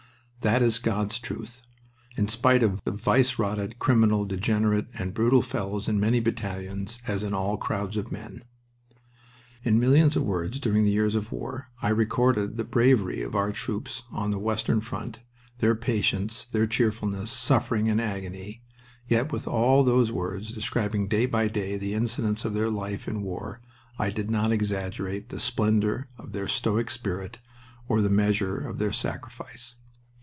That is God's truth, in spite of vice rotted, criminal, degenerate, and brutal fellows in many battalions, as in all crowds of men. In millions of words during the years of war I recorded the bravery of our troops on the western front, their patience, their cheerfulness, suffering, and agony; yet with all those words describing day by day the incidents of their life in war I did not exaggerate the splendor of their stoic spirit or the measure of their sacrifice.